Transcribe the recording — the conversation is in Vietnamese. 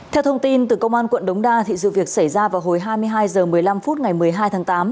theo thông tin từ công an quận đống đa sự việc xảy ra vào hồi hai mươi hai h một mươi năm phút ngày một mươi hai tháng tám